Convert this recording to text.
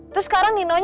terus sekarang nino